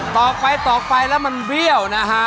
ตอบไปแล้วมันเวี่ยวนะฮะ